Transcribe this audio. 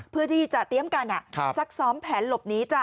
เพื่อที่จะเตรียมกันซักซ้อมแผนหลบหนีจ้ะ